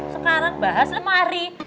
sekarang bahas lemari